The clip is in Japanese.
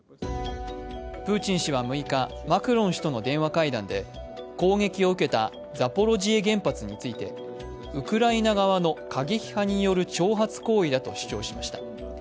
プーチン氏は６日、マクロン氏との電話会談で、攻撃を受けたザポロジエ原発についてウクライナ側の過激派による挑発行為だと主張しました。